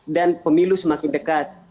dan pemilu semakin dekat